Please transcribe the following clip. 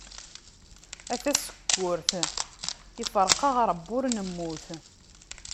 A tasekkurt, ifreq-aɣ Rebbi ur nemmut.